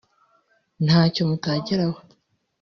ntacyo mutageraho